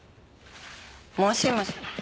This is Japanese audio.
もしもし。